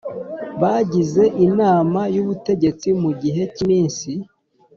Bagize inama y ubutegetsi mu gihe cy iminsi